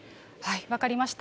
分かりました。